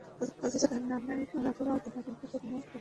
অথচ তাহার নাম নাই, অথবা তাহার লিখিত কোনো প্রবন্ধের উল্লেখ নাই।